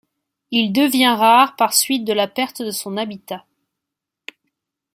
Il devient rare par suite de la perte de son habitat.